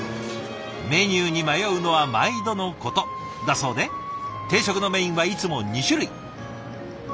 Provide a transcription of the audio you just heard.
メニューに迷うのは毎度のことだそうで定食のメインはいつも２種類。